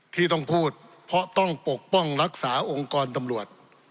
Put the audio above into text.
ที่ต้องพูดเพราะต้องปกป้องรักษาองค์กรตำรวจ